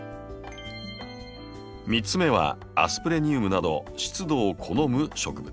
３つ目はアスプレニウムなど湿度を好む植物。